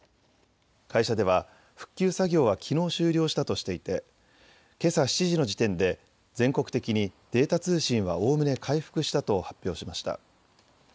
会社では復旧作業はきのう終了したとしていてけさ７時の時点で全国的にデータ通信はおおむね回復したと発表しました。